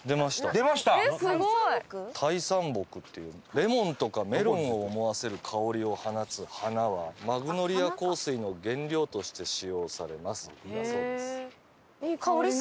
「レモンとかメロンを思わせる香りを放つ花はマグノリア香水の原料として使用されます」だそうです。